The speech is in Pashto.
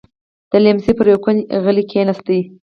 د ليمڅي پر يوه کونج غلې کېناسته.